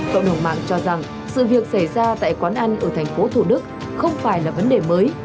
cộng đồng mạng cho rằng sự việc xảy ra tại quán ăn ở thành phố thủ đức không phải là vấn đề mới